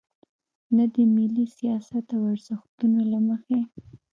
نه د ملي سیاست او ارزښتونو له مخې.